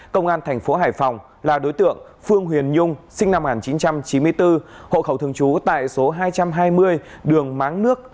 công an thành phố hải phòng là đối tượng phương huyền nhung sinh năm một nghìn chín trăm chín mươi bốn hộ khẩu thường trú tại số hai trăm hai mươi đường máng nước